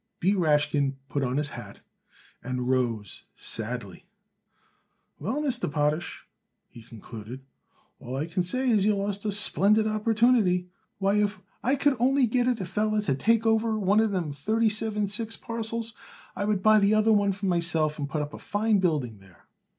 B. Rashkin put on his hat and rose sadly. "Well, Mr. Potash," he concluded, "all I can say is you lost a splendid opportunity. Why, if I could only get it a feller to take over one of them thirty seven six parcels, I would buy the other one myself and put up a fine building there?"